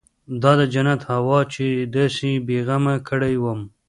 دا د جنت هوا چې داسې بې غمه کړى وم.